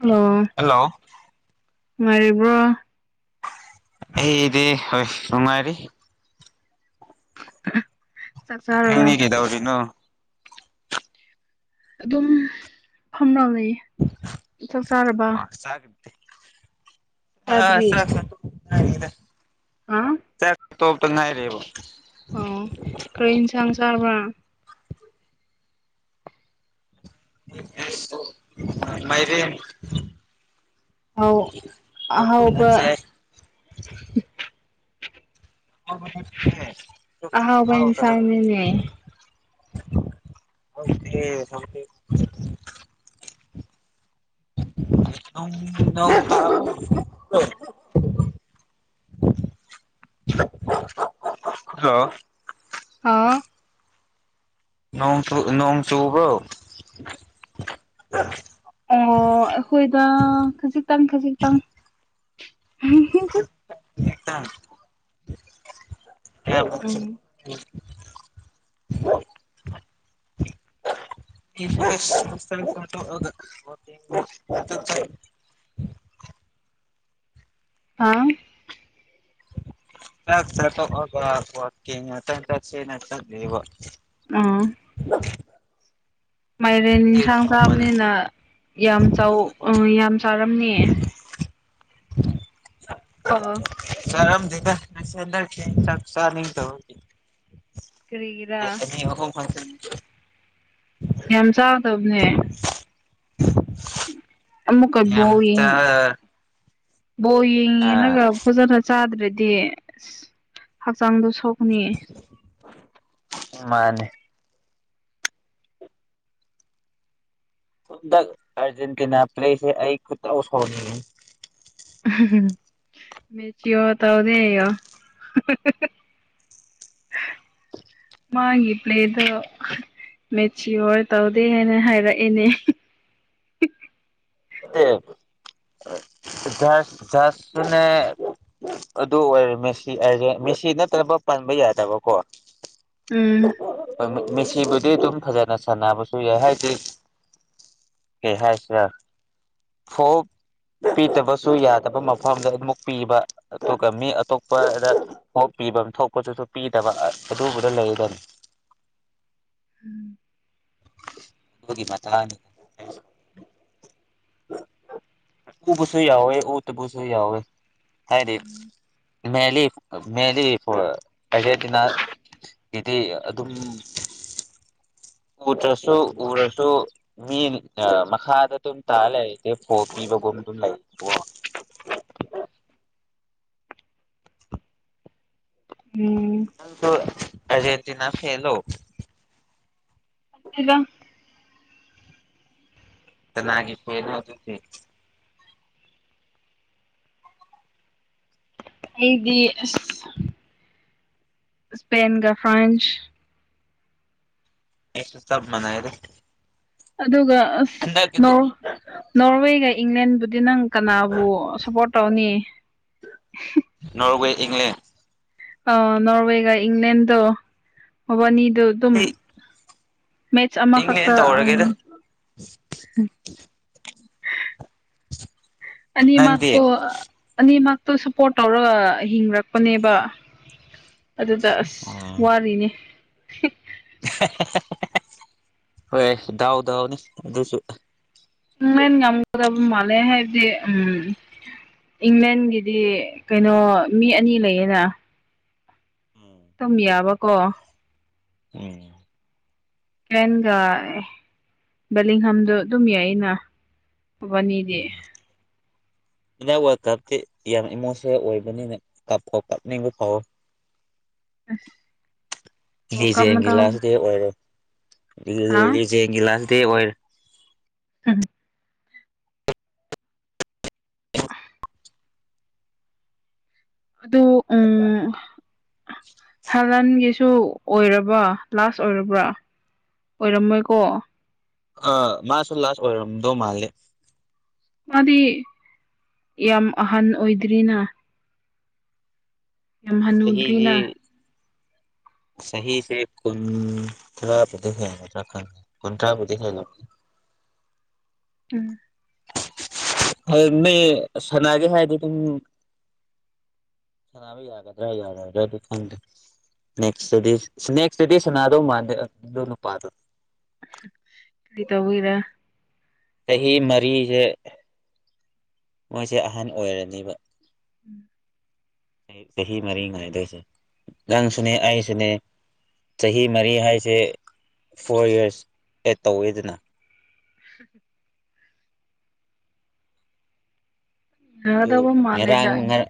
ꯑꯣ ꯍꯜꯂꯣ ꯃꯔꯤꯕ꯭ꯔꯣ ꯑꯦꯗ ꯍꯣꯏ ꯔꯅꯨꯡꯉꯥꯏꯔꯤ ꯆꯥꯛ ꯌꯦ ꯆꯥꯔꯕ ꯍꯦꯒꯗ ꯍꯧꯔꯤꯅ ꯑꯗꯨꯝ ꯐꯝꯅ ꯂꯩꯌꯦ ꯆꯥꯛ ꯆꯥꯔꯕ ꯑꯁ ꯆꯥꯗ꯭ꯔꯤ ꯆꯗ ꯍꯥ ꯆ ꯇꯣꯅꯥꯔꯦꯕ ꯑꯣ ꯈꯔ ꯌꯦꯟꯁꯥꯡ ꯆꯥꯕ꯭ꯔꯥ ꯃꯩꯔ ꯑꯥꯎ ꯑꯍꯥꯎꯕ ꯑꯍꯥꯎꯕ ꯍꯥꯎ ꯏꯟꯁꯥꯡꯅꯤꯅꯦ ꯍꯧꯗꯤ ꯊꯪ ꯑ ꯍꯜꯂꯣ ꯑꯥ ꯅꯣꯡ ꯆ ꯅꯣꯡ ꯆꯨꯕ ꯑꯣ ꯑꯩꯈꯣꯏꯗ ꯈꯖꯤꯛꯇꯪ ꯈꯖꯤꯛꯇꯪ ꯑꯦꯛꯇ ꯀꯁꯤ ꯎꯝ [unintelligible] ꯑꯥ ꯆꯥꯛ ꯇꯣꯛꯑꯒ ꯋꯥꯛꯀꯤꯡ ꯉꯥꯛ ꯆꯥꯠꯁꯤꯅ ꯆꯠꯂꯤꯕ ꯑꯥꯝ ꯃꯥꯏꯔꯦꯟ ꯌꯦꯟꯁꯥꯡ ꯃꯟ ꯆꯥꯕꯅꯤꯅ ꯌꯥꯝ ꯆꯥꯎ ꯌꯥꯝ ꯆꯥꯔꯝꯅꯤꯌꯦ ꯎ [inaudible] ꯑꯣ ꯆꯔꯝ ꯊꯗ ꯆꯁ [inaudible] ꯀꯔꯤꯒꯤꯔꯥ ꯐꯪꯁꯟ [inaudible] ꯌꯥꯝ ꯆꯥꯎꯗꯕꯅꯦ [unintelligible] ꯑꯃꯨꯛꯀ ꯌꯥꯝ ꯆꯥ ꯕꯣꯌꯦꯤꯡ ꯑꯥ ꯕꯣꯌꯦꯡꯅꯒ ꯐꯖꯅ ꯆꯥꯗ꯭ꯔꯗꯤ ꯑ ꯍꯛꯆꯥꯡꯗꯣ ꯁꯣꯛꯅꯤ ꯃꯥꯅꯦ ꯗ ꯑꯔꯖꯦꯟꯇꯤꯅꯥ ꯄ꯭ꯂꯦꯁꯦ ꯑꯩ ꯀꯠꯇꯁꯅꯤ [unintelligible] ꯃꯦꯆ ꯋꯥ ꯇ ꯑꯣꯗ [unintelligible] ꯃꯥꯒꯤ ꯄ꯭ꯂꯦꯗꯣ ꯃꯦꯆꯤꯌꯣꯔ ꯇꯧꯗꯦ ꯍꯥꯏꯅ ꯍꯥꯏꯔꯛꯑꯦꯅꯦ ꯖꯥꯁꯅꯦ [inaudible] ꯑꯗꯨ ꯑꯣꯏꯔꯦ ꯃꯦꯁꯤꯁꯦ ꯃꯦꯁꯤ ꯅꯠꯇꯅꯕ ꯄꯟꯕ ꯌꯥꯗꯕꯀꯣ ꯎꯝ ꯍꯣꯏ ꯃꯦꯁꯤꯕꯨꯗꯤ ꯑꯗꯨꯝ ꯐꯖꯅ ꯁꯥꯟꯅꯕꯁꯨ ꯌꯥꯏ ꯍꯥꯏꯗꯤ ꯀꯩꯍꯥꯢꯁꯤꯔ ꯐꯣꯜ ꯄꯤꯗꯕꯁꯨ ꯌꯥꯗꯕ ꯃꯐꯝꯗ ꯑꯗꯨꯝꯃꯛ ꯄꯤꯕ ꯑꯗꯨꯒ ꯃꯤ ꯑꯇꯣꯞꯄꯗ ꯄꯤꯕ ꯊꯣꯛꯄꯗꯨꯁꯨ ꯄꯤꯗꯕ ꯑꯗꯨꯕꯨꯗ ꯂꯩꯔꯦ ꯑꯗꯨꯒꯤ ꯃꯇꯥꯡꯅꯤ ꯎꯕꯁꯨ ꯌꯥꯎꯋꯦ ꯎꯗꯕꯁꯨ ꯌꯥꯎꯋꯦ ꯍꯥꯏꯗꯤ ꯃꯦꯂꯤ ꯃꯦꯂꯤ ꯑꯥꯔꯖꯦꯟꯇꯤꯅ ꯀꯤꯗꯤ ꯑꯗꯨꯝ ꯎꯗ꯭ꯔꯁꯨ ꯎꯔꯁꯨ ꯃꯤ ꯃꯈꯥꯗ ꯑꯗꯨꯝ ꯆꯥꯂꯦꯦ ꯐꯣꯄꯤ ꯒ ꯃ ꯂꯩ [inaudible] ꯎꯝ ꯅꯪꯗꯣ ꯑꯔꯖꯦꯟꯇꯤꯅꯥ ꯐꯦꯟꯂꯣ ꯅꯠꯇꯦꯗ ꯀꯅꯒꯤ ꯐꯦꯟꯅꯣ ꯑꯗꯨꯗꯤ ꯑꯩꯗꯤ ꯏꯁꯄꯦꯟꯒ ꯐ꯭ꯔꯥꯟꯁ ꯑꯩꯒ ꯆꯥꯞ ꯃꯅꯔꯦ ꯑꯗꯨꯒ ꯑꯁ ꯍꯀꯤꯦ [inaudible] ꯅꯣꯔ ꯅꯣꯔꯋꯦꯒ ꯏꯪꯂꯦꯟꯕꯨꯗꯤ ꯅꯪ ꯀꯅꯥꯕꯨ ꯁꯞꯄꯣꯠ ꯇꯧꯅꯤ ꯅꯣꯔꯋꯦ ꯏꯪꯂꯦꯟ ꯑꯥꯎ ꯅꯣꯔꯋꯦꯒ ꯏꯪꯂꯦꯟꯗꯣ ꯃꯕꯥꯅꯤꯗꯣ ꯑꯗꯨꯝ ꯃꯦꯆ ꯑꯃ ꯏꯪꯂꯦꯟ ꯈꯥꯛꯇ ꯇꯧꯔꯒꯦꯗ [unintelligible] ꯑꯅꯤ ꯅꯪꯗꯤ ꯃꯛꯇꯣ ꯑꯅꯤ ꯃꯛꯇꯣ ꯁꯞꯄꯣꯠ ꯇꯧꯔꯒ ꯍꯤꯡꯔꯛꯄꯅꯦꯕ ꯑꯗꯨꯗ ꯑꯁ ꯑꯣ ꯋꯥꯔꯤꯅꯦ ꯍꯣꯏ ꯗꯥꯎ ꯗꯥꯎꯅꯤ ꯑꯗꯨꯁꯨ ꯢꯪꯂꯦꯟꯅ ꯉꯝꯒꯗꯧꯕ ꯃꯥꯂꯦ ꯍꯥꯏꯗꯤ ꯎꯝ ꯏꯪꯂꯦꯟꯒꯤꯗꯤ ꯀꯩꯅꯣ ꯃꯤ ꯑꯅꯤ ꯂꯩꯌꯦꯅ ꯎꯝ ꯗꯨꯝ ꯌꯥꯕꯀꯣ ꯎꯝ ꯒ ꯕꯂꯤꯡ ꯍꯥꯝꯗꯣ ꯑꯗꯨꯝ ꯌꯥꯏꯅ ꯃꯕꯥꯟꯅꯤꯗꯤ ꯍꯥꯟꯗꯥꯛ ꯋꯥꯔꯜ ꯀꯞꯇꯤ ꯌꯥꯝ ꯏꯃꯣꯁꯟꯅꯜ ꯑꯣꯏꯕꯅꯤꯅꯦ ꯀꯥꯞ ꯐꯥꯎ ꯀꯞꯅꯤꯡꯕ ꯐꯥꯎꯋꯦ ꯑꯁ ꯋꯥꯔꯜ ꯀꯞ ꯂꯤꯖꯦꯜꯒꯤ ꯂꯥꯁ ꯃꯇꯥꯡ ꯗꯦ ꯑꯣꯏꯔꯦ ꯍꯥ ꯂꯤꯖꯦꯜꯒꯤ ꯂꯥꯁꯇꯗꯤ ꯑꯣꯏꯔꯦ ꯎꯝ [unintelligible] ꯑ ꯑꯗꯨ ꯎꯝ ꯍꯂꯥꯟꯒꯤꯁꯨ ꯗꯨ ꯑꯣꯏꯔꯕ ꯂꯥꯁ ꯑꯣꯏꯔꯕ꯭ꯔꯥ ꯑꯣꯏꯔꯝꯃꯣꯏꯀꯣ ꯑ ꯃꯥꯁꯨ ꯂꯥꯁ ꯑꯣꯏꯔꯝꯗꯧ ꯃꯥꯜꯂꯦ ꯃꯥꯗꯤ ꯌꯥꯝ ꯑꯍꯟ ꯑꯣꯏꯗ꯭ꯔꯤꯅ ꯌꯥꯝ ꯆꯍꯤꯖꯤ ꯍꯟꯅꯨꯗ꯭ꯔꯤꯅ ꯆꯍꯤꯁꯦ ꯀꯨꯟꯊ꯭ꯔꯥꯕꯨꯗꯤ ꯍꯦꯜꯒꯗ꯭ꯔꯥ ꯈ ꯀꯨꯟꯊ꯭ꯔꯥꯕꯨꯗꯤ ꯍꯦꯜꯂ ꯎꯝ ꯍ ꯅ ꯁꯅꯥꯒꯦ ꯍꯥꯏꯗꯤ ꯑꯗꯨ ꯁꯅꯥꯅꯕ ꯌꯥꯒꯗ꯭ꯔꯥ ꯌꯥꯒꯗ꯭ꯔꯥ ꯑꯗꯨ ꯈꯪꯗꯦ ꯅꯦꯛꯁꯇꯗꯤ ꯅꯦꯛꯁꯇꯗꯤ ꯁꯅꯥꯗꯧ ꯃꯥꯟꯗꯦ ꯑꯗꯨ ꯅꯨꯄꯥꯗꯣ ꯀ꯭ꯔꯤ ꯇꯧꯕꯩꯔ ꯆꯍꯤ ꯃꯔꯤꯁꯦ ꯃꯣꯏꯁꯦ ꯑꯍꯟ ꯑꯣꯏꯔꯅꯦꯕ ꯎꯝ [inaudible] ꯆꯍꯤ ꯃꯔꯤ ꯉꯥꯏꯗꯣꯏꯁꯦ ꯅꯥꯡꯁꯨꯅꯦ ꯑꯩꯁꯨꯅꯦ ꯆꯍꯤ ꯃꯔꯤ ꯍꯥꯏꯁꯦ ꯐꯣꯔ ꯌꯔꯁ ꯑꯦꯠ ꯇꯧꯋꯦꯗꯅ [unintelligible] ꯌꯥꯒꯗꯧꯕ ꯃꯥꯜꯂꯦꯗ ꯉꯔꯥꯡ ꯑꯩꯗꯤ ꯉꯔ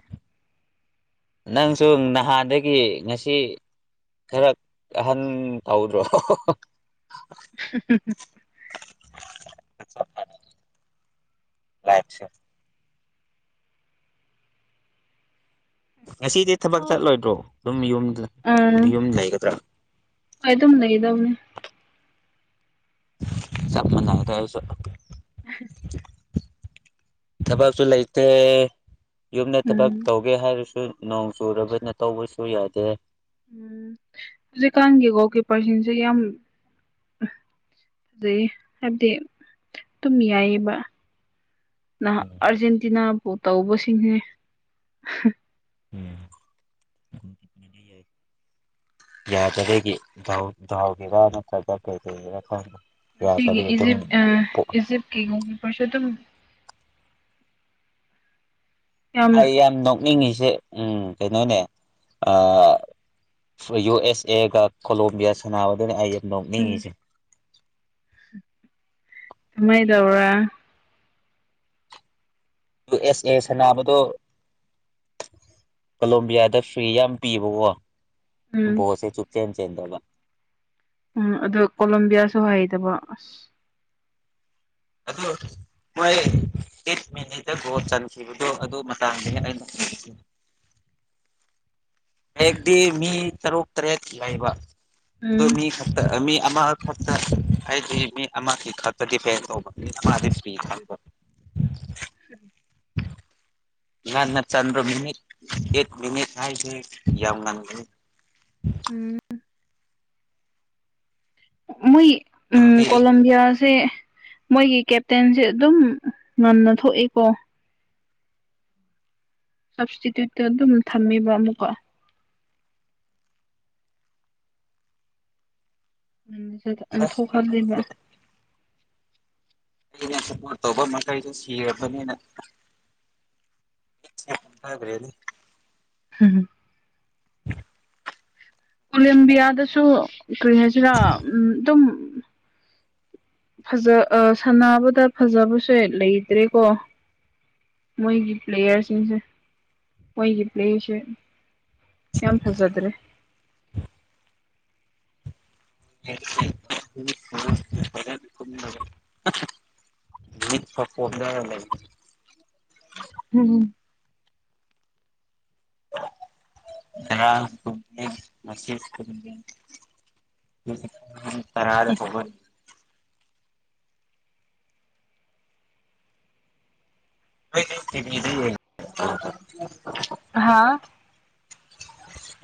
ꯅꯪꯁꯨ ꯅꯍꯥꯟꯗꯒꯤ ꯉꯁꯤ ꯈꯔ ꯑꯍꯟ ꯇꯧꯗ꯭ꯔꯣ ꯁꯤꯦ [unintelligible] ꯂꯥꯏꯠꯁꯦ ꯉꯁꯤꯗꯤ ꯊꯕꯛ ꯆꯠꯂꯣꯏꯗ꯭ꯔꯣ ꯑꯗꯨꯝ ꯌꯨꯝ ꯌꯨꯝ ꯂꯩꯒꯗ꯭ꯔꯥ ꯍ ꯑꯗꯨꯝ ꯂꯩꯗꯅꯤ ꯆꯞ ꯃꯅꯩꯗ ꯑꯩꯁꯨ ꯊꯕꯛꯁꯨ ꯂꯩꯇꯦ ꯌꯨꯝꯗ ꯊꯕꯛ ꯇꯧꯕ ꯎꯝ ꯇꯧꯒꯦ ꯍꯥꯏꯔꯁꯨ ꯅꯣꯡ ꯆꯨꯔꯕꯅ ꯇꯧꯕꯁꯨ ꯌꯥꯗꯦ ꯎꯝ ꯍꯧꯖꯤꯛꯀꯥꯟꯒꯤꯀꯣ ꯑꯣꯀꯤꯌꯄꯔꯁꯟꯁꯦ ꯌꯥꯝ ꯑꯗꯨꯗꯩ ꯍꯥꯏꯕꯗꯤ ꯇꯨꯝꯃꯤꯉꯥꯏꯒꯤꯕ ꯅꯍ ꯎꯝ ꯑꯥꯔꯖꯦꯟꯇꯤꯅꯥꯕꯨ ꯇꯧꯕꯁꯤꯡꯁꯦ ꯎꯝ [unintelligible] ꯌꯥꯖꯒ ꯥꯎꯒꯤꯦꯔꯥ ꯅꯠꯇ꯭ꯔꯒ ꯀꯩꯗꯧꯒꯦꯔꯥ ꯈꯪ [unintelligible] ꯃꯁꯤꯒꯤ ꯏꯖꯤꯞ ꯏꯖꯤꯞꯀꯤ ꯄꯔꯁ ꯑꯗꯨꯝ ꯑꯩ ꯌꯥꯝ ꯅꯣꯛꯅꯤꯡꯉꯤꯁꯦ ꯎꯝ ꯀꯩꯅꯣꯅꯦ ꯌꯨ ꯑꯦꯁ ꯑꯦꯒ ꯀꯣꯂꯣꯝꯕꯤꯌꯥ ꯁꯥꯟꯅꯕꯗꯨꯅꯤ ꯑꯩ ꯌꯥꯝ ꯎꯝ ꯅꯣꯛꯅꯤꯡꯉꯤꯁꯦ ꯀꯃꯥꯏ ꯇꯧ꯭ꯔꯥ ꯌꯨ ꯑꯦꯁ ꯑꯦ ꯁꯥꯟꯅꯥꯕꯗꯣ ꯀꯂꯣꯝꯕꯤꯌꯥꯗ ꯐ꯭ꯤ ꯌꯥꯝ ꯄꯤꯕꯀꯣ ꯎꯝ ꯕꯣꯠꯁꯦ ꯆꯨꯞꯆꯦꯟ ꯆꯦꯟꯗꯕ ꯎꯝ ꯑꯗꯣ ꯀꯣꯂꯝꯣꯕꯤꯌꯥꯁꯨ ꯍꯥꯏꯗꯕ ꯑꯁ ꯑꯗꯨꯗꯣ [unintelligible] ꯃꯣꯏ ꯑꯩꯠ ꯃꯤꯅꯤꯠꯇ ꯒꯣꯜ ꯆꯟꯈꯤꯕꯗꯣ ꯑꯗꯨ ꯃꯇꯥꯡꯗꯒꯤ ꯑꯩꯅ ꯍ ꯍꯗꯤ ꯃꯤ ꯇꯔꯨꯛ ꯇꯔꯦꯠꯀꯤ ꯌꯥꯏꯕ ꯑꯣ ꯎꯝ ꯃꯤ ꯈ ꯃꯤ ꯑꯃꯈꯛꯇ ꯍꯥꯏꯗꯤ ꯃꯤ ꯑꯃꯒꯤ ꯈꯛꯇ ꯗꯤꯄꯦꯟ ꯇꯧꯕ ꯃꯤ ꯑꯃꯗꯤ ꯐ꯭ꯔꯤ ꯈꯪꯕ ꯎ [unintelligible] ꯉꯟꯅ ꯆꯟꯗ꯭ꯔꯣ ꯃꯤꯅꯤꯠ ꯑꯦꯠ ꯃꯤꯅꯤꯠ ꯍꯥꯏꯁꯦ ꯌꯥꯝ ꯉꯝꯒꯤꯅꯤ ꯎꯝ ꯃꯣꯏ ꯎꯝ ꯇꯤꯝꯗꯤ ꯀꯣꯂꯝꯕꯤꯌꯥꯥꯁꯦ ꯃꯣꯏꯒꯤ ꯀꯦꯞꯇꯦꯟꯖꯦ ꯑꯗꯨꯝ ꯉꯟꯅ ꯊꯣꯛꯏꯀꯣ ꯁꯞꯁꯇꯤꯇ꯭ꯌꯨꯠꯇ ꯑꯗꯨꯝ ꯊꯝꯃꯤꯕ ꯑꯃꯨꯛꯀ ꯃꯗ ꯑ ꯊꯧꯈ ꯂꯩꯕ ꯑꯩꯅ ꯁꯞꯄꯣꯔꯠ ꯇꯧꯕ ꯃꯈꯩꯗꯤ ꯁꯤꯔꯕꯅꯤꯅ ꯍꯥꯏꯕ꯭ꯔꯦꯅꯤ ꯍꯝ [unintelligible] ꯀꯣꯂꯦꯝꯕꯤꯌꯥꯗꯁꯨ ꯀꯔꯤ ꯍꯥꯏꯁꯤꯔꯥ ꯑꯗꯨꯝ ꯐꯖ ꯑ ꯁꯥꯟꯅꯕꯗ ꯐꯖꯕꯁꯦ ꯂꯩꯇ꯭ꯔꯦꯀꯣ ꯃꯣꯏꯒꯤ ꯄ꯭ꯂꯦꯌꯔꯁꯤꯡꯁꯦ ꯃꯣꯏꯒꯤ ꯄ꯭ꯂꯦꯁꯦ ꯌꯥꯝ ꯐꯖꯗ꯭ꯔꯦ ꯎ [unintelligible] ꯎꯝ ꯎꯍꯨ ꯠ ꯐꯄꯗ ꯂꯩ [unintelligible] ꯎꯝ ꯔꯁꯤ [unintelligible] ꯇꯔꯥꯗ ꯊꫭꯛꯂꯑꯅꯤ ꯅꫭꯏꯗꯤ ꯇꯤꯕꯤꯗ ꯌꯦꯡ ꯑ [unintelligible] ꯍꯥꯥ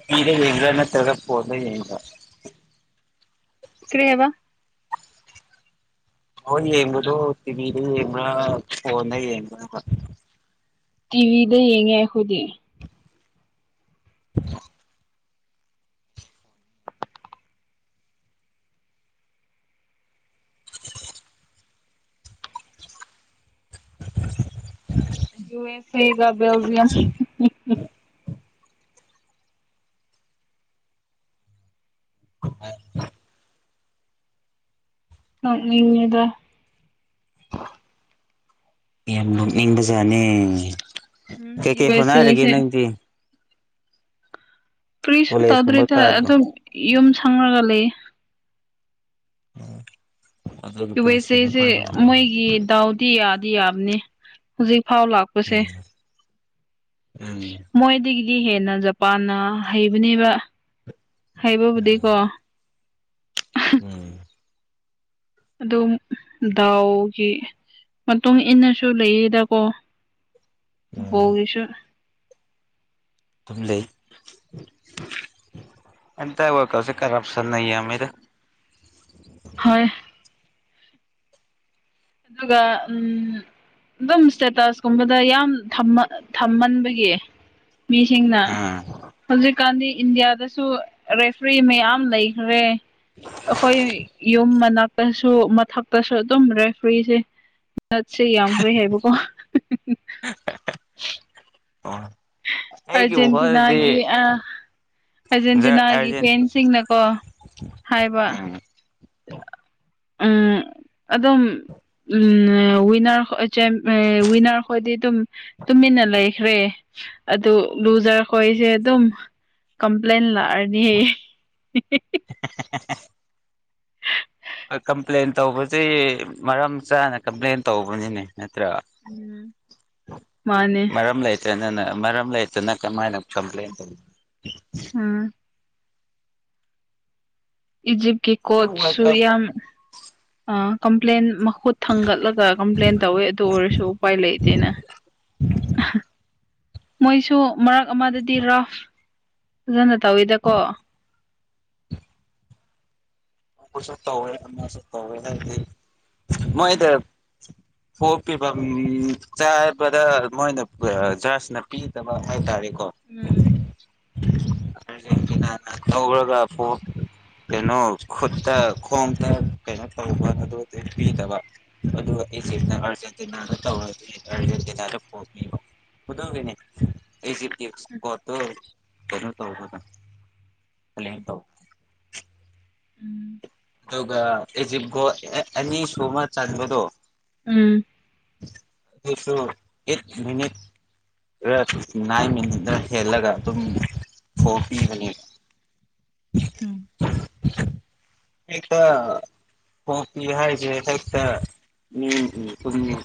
ꯇꯤꯕꯤꯗ ꯌꯦꯡꯉꯤꯔ ꯅꯠꯇꯔꯒ ꯐꫭꯟꯗ ꯌꯦꯡꯉꯤꯔ ꯀ꯭ꯔꯤ ꯍꯥꯏꯕ ꯕꫭꯜ ꯌꯦꯡꯕꯗꯣ ꯇꯤꯚꯤꯗ ꯌꯦꯡꯕ꯭ꯔꯥ ꯐꯣꯟꯗ ꯌꯦꯡꯕꯔꯕ ꯇꯤꯚꯤꯗ ꯌꯦꯡꯉꯦ ꯑꯩꯈꯣꯏꯗꯤ ꯑ [unintelligible] ꯌꯨ ꯑꯦꯁ ꯑꯦꯒ ꯕꯦꯜꯖꯤꯌꯝ ꯅꫭꯛꯅꯤꯡꯉꯤꯗ ꯌꯥꯝ ꯂꯣꯛꯅꯤꯡꯕꯖꯥꯠꯅꯦ ꯎꯝ ꯌꯨ ꯀꯩꯀꯩ ꯑꯦꯁ ꯍꯣꯠꯅꯔꯤꯒꯦ ꯑꯦꯁꯦ ꯅꯪꯗꯤ ꯀꯔꯤꯁꯨ ꯀꯣꯂꯦꯖꯀꯨꯝꯕ ꯇꯧꯗ꯭ꯔꯦꯗ ꯀꯥꯗꯣ ꯑꯗꯨꯝ ꯌꯨꯝ ꯁꯪꯉ꯭ꯔꯒ ꯂꯩꯌꯦ ꯑꯗꯨꯒꯤ ꯌꯨ ꯑꯦꯁ ꯄꯨꯟꯁꯤꯅ ꯁꯦꯖꯦ ꯈ꯭ꯋꯥꯏ ꯅꯨꯡꯉꯥꯏ ꯃꯣꯏꯒꯤ ꯗꯥꯎꯗꯤ ꯌꯥꯗꯤ ꯌꯥꯕꯅꯦ ꯍꯧꯖꯤꯛꯐꯥꯎ ꯂꯥꯛꯄ ꯎꯝ ꯎꯝ ꯃꯣꯏꯗꯒꯤꯗꯤ ꯍꯦꯟꯅ ꯖꯄꯥꯟꯅ ꯍꯩꯕꯅꯦꯕ ꯍꯩꯕꯕꯨꯗꯤꯀꯣ ꯎꯝ ꯑꯗꯨꯝ ꯗꯥꯎꯒꯤ ꯃꯇꯨꯡ ꯏꯟꯅꯁꯨ ꯂꯩꯌꯦꯗꯀꯣ ꯎꯝ ꯕꯣꯜꯒꯤꯁꯨ ꯑꯗꯨꯝꯂꯩ ꯍꯟꯇꯛ ꯋꯥꯜꯀꯞꯁꯦ ꯀꯔꯞ ꯁꯟꯅ ꯌꯥꯝꯃꯤꯗ ꯍꯣꯏ ꯑꯗꯨꯒ ꯎꯝ ꯑꯗꯨꯝ ꯏꯁꯇꯦꯇꯁ ꯀꯨꯝꯕꯗ ꯌꯥꯝ ꯊꯝꯃ ꯊꯝꯃꯟꯕꯒꯤ ꯃꯤꯁꯤꯡꯅ ꯎꯝ ꯍꯧꯖꯤꯛꯀꯥꯟꯗꯤ ꯏꯟꯗꯤꯌꯥꯗꯁꯨ ꯔꯦꯐ꯭ꯔꯤ ꯃꯌꯥꯝ ꯂꯩꯈ꯭ꯔꯦ ꯑꯩꯈꯣꯏ ꯌꯨꯝ ꯃꯅꯥꯛꯇꯁꯨ ꯃꯊꯛꯇꯁꯨ ꯑꯗꯨꯝ ꯔ ꯐ꯭ꯔꯤꯁꯦ ꯅꯠꯁꯦ ꯌꯥꯝꯈ꯭ꯔꯦ ꯍꯥꯏꯕꯀꯣ ꯑꯩꯒꯤ ꯋꯥꯈꯜꯗꯗꯤ ꯑꯔꯖꯦꯟꯇꯤꯅꯥꯒꯤ ꯑ ꯑꯔꯖꯦꯟꯇꯤꯅꯥꯒꯤ ꯑꯥꯔꯖꯦꯟ ꯐꯦꯟꯁꯤꯡꯅꯀꯣ ꯍꯥꯏꯕ ꯎꯝ ꯎꯝ [unintelligible] ꯑꯗꯨꯝ ꯎꯝ ꯋꯤꯟꯅꯔ ꯍꯣꯏꯗꯤ ꯑꯗꯨꯝ ꯇꯨꯃꯤꯟꯅ ꯂꯩꯈ꯭ꯔꯦ ꯑꯗꯨ ꯂꯨꯖꯔꯈꯣꯏꯁꯦ ꯑꯗꯨꯝ ꯀꯝꯄ꯭ꯂꯦꯟ ꯂꯥꯛꯑꯗꯤ [unintelligible] ꯀꯝꯄ꯭ꯂꯦꯟ ꯇꯧꯕꯁꯤ ꯃꯔꯝ ꯆꯥꯅ ꯀꯝꯄ꯭ꯂꯦꯟ ꯇꯧꯕꯅꯤꯅꯦ ꯅꯠꯇ꯭ꯔ ꯎꯝ ꯃꯥꯅꯦ ꯃꯔꯝꯂꯩ ꯃꯔꯝ ꯂꯩꯇꯅ ꯀꯃꯥꯏꯅ ꯀꯝꯄ꯭ꯂꯦꯟ ꯇꯧ ꯎ ꯏꯖꯤꯞꯀꯤ ꯋꯥꯔꯜ ꯀꯣꯠꯁꯨꯨ ꯀꯞ ꯌꯥꯝ [unintelligible] ꯑ ꯀꯝꯄ꯭ꯂꯦꯟ ꯃꯈꯨꯠ ꯊꯥꯡꯒꯠꯂꯒ ꯀꯝꯄ꯭ꯂꯦꯟ ꯇꯧꯋꯦ ꯑꯗꯨ ꯑꯣꯏꯔꯁꯨ ꯎꯄꯥꯏ ꯂꯩꯇꯦꯅ ꯑꯍꯥ ꯃꯣꯏꯁꯨ ꯃꯔꯛ ꯑꯃꯗꯗꯤ ꯔꯐ ꯐꯖꯅ ꯇꯧꯋꯤꯗꯀꯣ ꯑꯃꯁꯨ ꯇꯧꯋꯦ ꯑꯃꯁꯨ ꯇꯧꯋꯦ ꯅꯪꯗꯤ ꯃꯣꯏꯗ ꯐꫭꯜ ꯄꯤꯕꯝ ꯆꯥꯕꯗ ꯃꯣꯏꯅ ꯖꯁꯅ ꯄꯤꯗꯕ ꯍꯥꯏꯇꯥꯔꯦꯀꯣ ꯎꯝ [unintelligible] ꯈꯨꯠꯇ ꯈꯣꯗ ꯀꯩꯅꯣ ꯇꯧꯕ ꯑꯗꯨꯗꯤ ꯄꯤꯗꯕ ꯑꯗꯨꯒ ꯏꯖꯤꯞꯅ ꯑꯔꯖꯦꯟꯇꯤꯅꯥꯗ ꯇꯧꫪꯥꯗꯤ ꯑꯔꯖꯦꯟꯇꯤꯅꯥꯁꯨ ꯑꯗꯨꯒꯤꯅꯤ [unintelligible] ꯎꯝ ꯑꯗꯨꯒ ꯏꯖꯤꯞ ꯒꯣꯜ ꯑꯅꯤꯁꯨꯕ ꯆꯟꯕꯗꯣ ꯎꯝ ꯑꯗꯨꯁꯨ ꯑꯦꯠ ꯃꯤꯅꯤꯠ ꯅꯥꯏꯟ ꯃꯤꯅꯤꯠꯅ ꯍꯦꯜꯂꯒ ꯑꯗꯨꯝ ꯐꯣꯔ ꯄꯤꯕꯅꯦ ꯎꯝ [unintelligible] ꯀꯣꯄꯤ ꯍꯥꯏꯁꯦ ꯍꯦꯛꯇ ꯃꯤ [unintelligible]